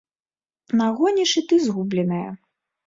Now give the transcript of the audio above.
Нагоніш і ты згубленае.